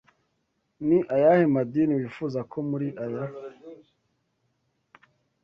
Ni ayahe madini wifuza ko muri aya?